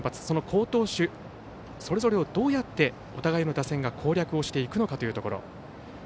その好投手それぞれをお互いの打線が攻略をしていくのかというところ。